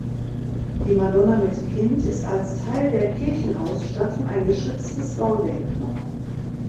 Die "Madonna mit Kind" ist als Teil der Kirchenausstattung ein geschütztes Baudenkmal.